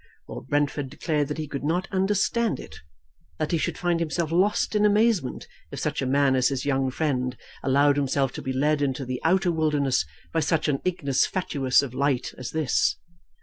Lord Brentford declared that he could not understand it, that he should find himself lost in amazement if such a man as his young friend allowed himself to be led into the outer wilderness by such an ignis fatuus of light as this.